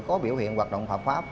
có biểu hiện hoạt động phạm pháp